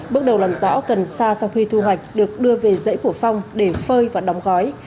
bước đầu làm rõ cần sa sau khi thu hoạch được đưa về rễ của phong để phơi và đóng gói